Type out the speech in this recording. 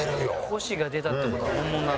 「“濃し”が出たって事は本物だな」